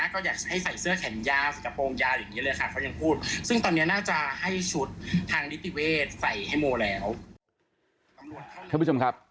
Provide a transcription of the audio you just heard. คุณผู้ชมครับ